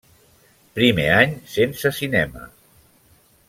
Primer any sense cinema.